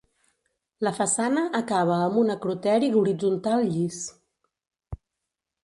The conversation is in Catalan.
La façana acaba amb un acroteri horitzontal llis.